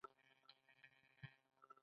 یو وخت خبریال او بل وخت چارواکی.